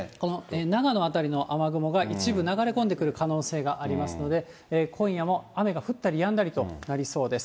長野辺りの雨雲が一部流れ込んでくる可能性がありますので、今夜も雨が降ったりやんだりとなりそうです。